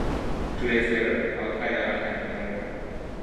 Two days later, Al Qaeda Attacked America.